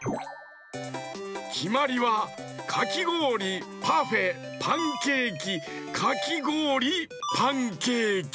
きまりはかきごおりパフェパンケーキかきごおりパンケーキ。